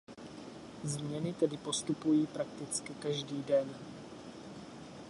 Změny tedy postupují prakticky každý den.